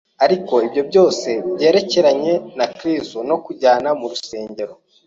Ariko ibyo byose byerekeranye na Kristo no kunjyana murusengero